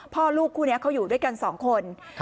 พ่อลูกคู่นี้เขาอยู่ด้วยกัน๒คน